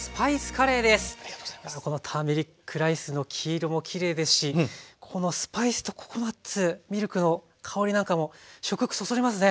このターメリックライスの黄色もきれいですしこのスパイスとココナツミルクの香りなんかも食欲そそりますね。